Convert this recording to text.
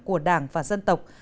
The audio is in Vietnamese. của đảng và dân tộc